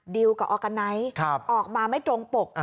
กับออร์กาไนท์ออกมาไม่ตรงปก